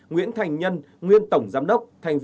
nguyễn thành nhân nguyên tổng giám đốc